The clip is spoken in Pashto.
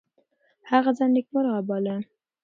هغه ځان نیکمرغه باله.